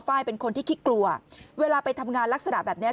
เป็นคนที่ขี้กลัวเวลาไปทำงานลักษณะแบบนี้